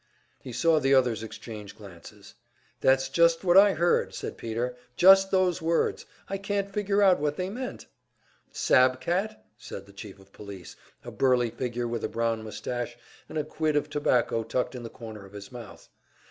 '" He saw the others exchange glances. "That's just what I heard," said Peter "just those words. I couldn't figure out what they meant?" "Sab cat?" said the Chief of Police, a burly figure with a brown moustache and a quid of tobacco tucked in the corner of his mouth.